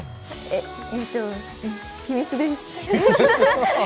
えっと秘密です。